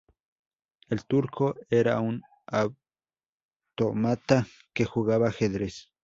El Turco era un autómata que jugaba ajedrez.